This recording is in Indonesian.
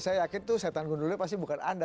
saya yakin tuh setan gundulnya pasti bukan anda